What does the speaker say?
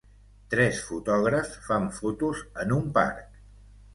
Tres fotògrafs fan fotos en un parc